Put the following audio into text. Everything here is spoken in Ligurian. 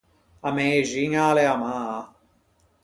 A mëxiña a l’é amaa.